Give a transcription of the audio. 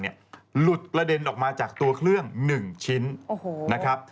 หลุดกระเด็นออกมาจากตัวเครื่อง๑ชิ้นนะครับ